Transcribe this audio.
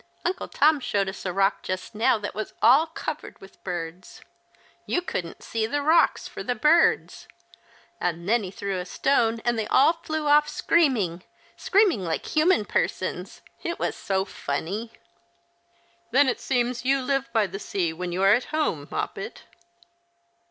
Uncle Tom showed us a rock just now that was all covered with birds. You couldn't see the rocks for the birds. And then he threw a stone and they all flew off screaming, screaming like human persons. It Avas so funny !"" Then it seems you live by the sea when you are at home. Moppet